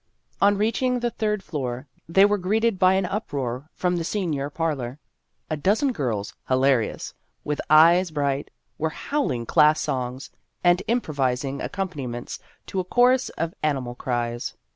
On reaching the third floor, they were greeted by an uproar from the senior par lor. A dozen girls, hilarious, with eyes bright, were howling class songs, and im provising accompaniments to a chorus of animal cries.